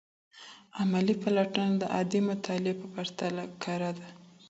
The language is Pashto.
علمي پلټنه د عادي مطالعې په پرتله کره ده.